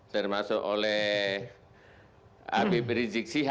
termasuk oleh abp rejiksi